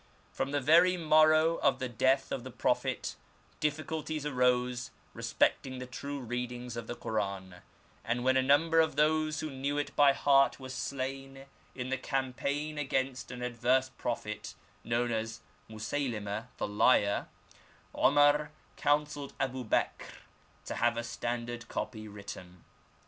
From the very morrow of the death of the Prophet difficulties arose respecting the true readings of the Koran ; and when a number of those who knew it by heart were slain in the campaign against an adverse prophet, known as Museylimeh the Liar, Omar counselled Abu Bekr to have a standard copy written.